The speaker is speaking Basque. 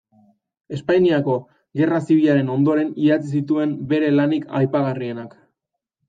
Espainiako Gerra Zibilaren ondoren idatzi zituen bere lanik aipagarrienak.